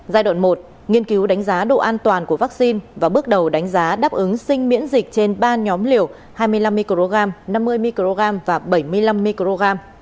giai đoạn một nghiên cứu đánh giá độ an toàn của vaccine và bước đầu đánh giá đáp ứng sinh miễn dịch trên ba nhóm liều hai mươi năm microgram năm mươi microgram và bảy mươi năm microgram